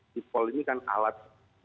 sipol ini kan alat